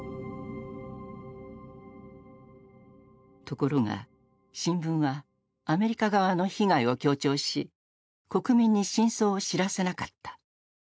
ところが新聞はアメリカ側の被害を強調し国民に真相を知らせなかった。